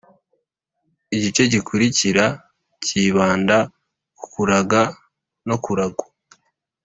igice gikurikira cyibanda k’ukuraga no kuragwa.